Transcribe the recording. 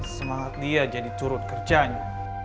semangat dia jadi turut kerjanya